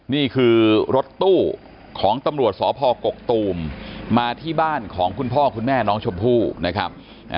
นี่คือรถตู้ของตำรวจสพกกตูมมาที่บ้านของคุณพ่อคุณแม่น้องชมพู่นะครับ